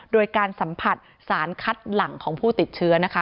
โดยการสัมผัสสารคัดหลังของผู้ติดเชื้อนะคะ